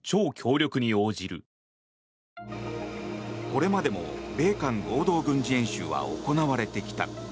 これまでも米韓合同軍事演習は行われてきた。